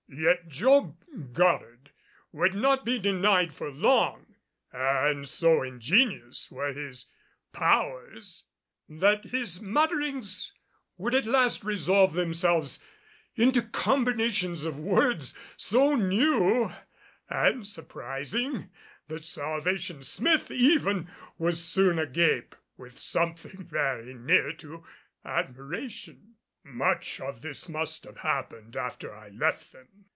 Yet Job Goddard would not be denied for long, and so ingenious were his powers that his mutterings would at last resolve themselves into combinations of words so new and surprising that Salvation Smith even was soon agape with something very near to admiration. Much of this must have happened after I left them.